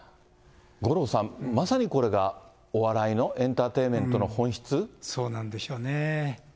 五郎さん、まさにこれがお笑いの、エンターテインメントの本そうなんでしょうね。